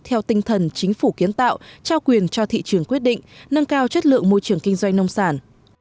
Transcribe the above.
theo tinh thần chính phủ kiến tạo trao quyền cho thị trường quyết định nâng cao chất lượng môi trường kinh doanh nông sản